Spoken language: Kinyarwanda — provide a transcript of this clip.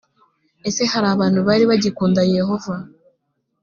ese hari abantu bari bagikunda yehova ?